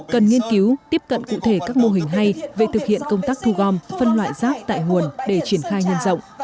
cần nghiên cứu tiếp cận cụ thể các mô hình hay về thực hiện công tác thu gom phân loại rác tại nguồn để triển khai nhân rộng